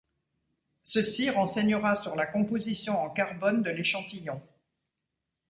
Ceci renseignera sur la composition en carbone de l'échantillon.